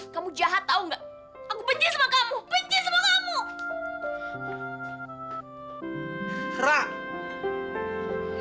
kamu jahat tau gak aku benci sama kamu benci sama kamu